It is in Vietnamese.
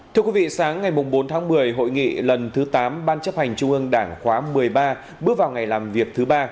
thưa quý vị sáng ngày bốn tháng một mươi hội nghị lần thứ tám ban chấp hành trung ương đảng khóa một mươi ba bước vào ngày làm việc thứ ba